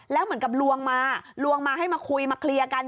แล้วเหมือนกับลวงมาลวงมาให้มาคุยมาเคลียร์กัน